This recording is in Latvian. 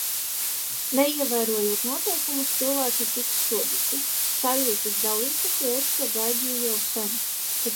Neievērojot noteikumus, cilvēki tiks sodīti. Sajūtas dalītas, jo es šo gaidīju jau sen.